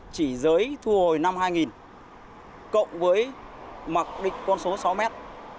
chỉ giới thu hồi năm hai nghìn cộng với mặc định con số sáu mét